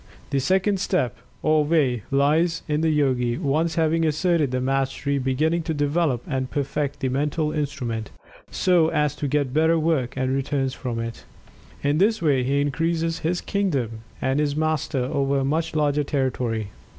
The second step, or way, lies in the Yogi, once having asserted the mastery, beginning to develop and perfect the Mental instrument, so as to get better work and returns from it. In this way he increases his kingdom and is Master over a much larger territory.